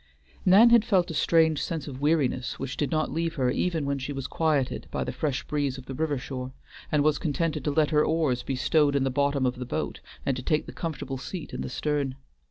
Nan had felt a strange sense of weariness, which did not leave her even when she was quieted by the fresh breeze of the river shore, and was contented to let her oars be stowed in the bottom of the boat, and to take the comfortable seat in the stern.